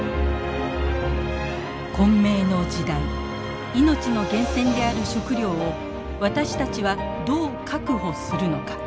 混迷の時代命の源泉である食料を私たちはどう確保するのか。